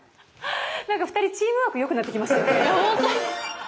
何か２人チームワークよくなってきましたね。